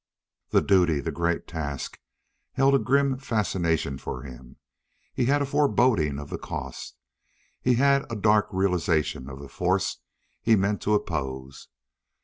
The duty, the great task, held a grim fascination for him. He had a foreboding of the cost; he had a dark realization of the force he meant to oppose.